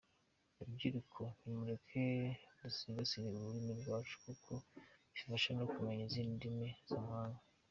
Rubyiruko nimureke dusigasire ururimi rwacu kuko bifasha no kumenya izindi ndimi z’amahanga.